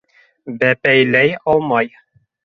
Бәпәйләй алмай!